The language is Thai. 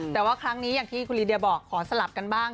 แต่ว่าครั้งนี้อย่างที่คุณลีเดียบอกขอสลับกันบ้าง